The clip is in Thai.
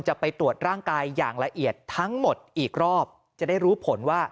จะไปตรวจร่างกายอย่างละเอียดทั้งหมดอีกรอบจะได้รู้ผลว่า